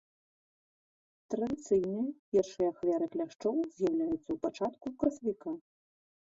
Традыцыйна першыя ахвяры кляшчоў з'яўляюцца ў пачатку красавіка.